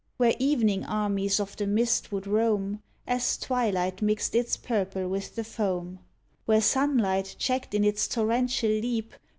Where evening armies of the mist would roam As twilight mixed its purple with the foam, — Where sunlight, checked in its torrential leap.